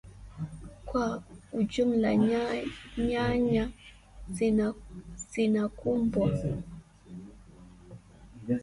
Kwa ujumla nyanya zinakumbwa